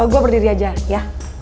gue berdiri aja ya